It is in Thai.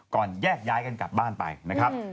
แยกย้ายกันกลับบ้านไปนะครับ